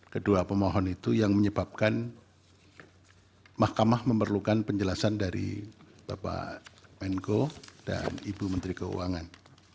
kedua pemohon itu yang menyebabkan mahkamah memerlukan penjelasan dari bapak menko dan ibu menteri keuangan